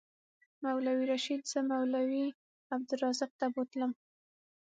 مولوي رشید زه مولوي عبدالرزاق ته بوتلم.